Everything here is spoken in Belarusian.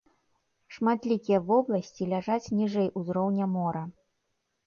Шматлікія вобласці ляжаць ніжэй узроўня мора.